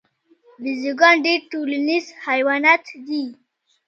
بیزوګان ډیر ټولنیز حیوانات دي